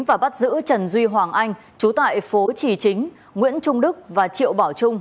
và bắt giữ trần duy hoàng anh chú tại phố trì chính nguyễn trung đức và triệu bảo trung